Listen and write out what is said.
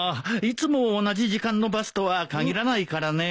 いつも同じ時間のバスとはかぎらないからね。